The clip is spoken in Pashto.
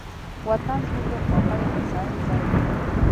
وطن زموږ د خوښۍ او هوساینې ځای دی.